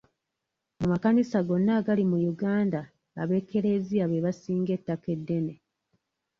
Mu makanisa gonna agali mu Uganda, ab'ekereziya be basinga ettaka ddene.